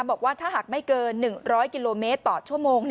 บอกว่าถ้าหากไม่เกิน๑๐๐กิโลเมตรต่อชั่วโมง